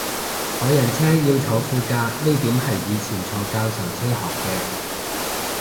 坐人車要坐副駕呢點係以前坐教授車學嘅